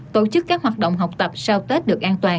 tổ chức các hoạt động học tập sau tết được an toàn